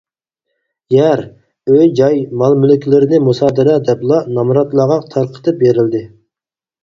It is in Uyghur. يەر، ئۆي جاي، مال-مۈلۈكلىرىنى «مۇسادىرە» دەپلا نامراتلارغا تارقىتىپ بېرىلدى.